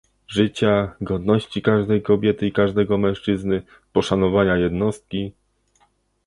życia, godności każdej kobiety i każdego mężczyzny, poszanowania jednostki